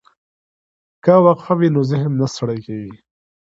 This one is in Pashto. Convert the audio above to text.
که وقفه وي نو ذهن نه ستړی کیږي.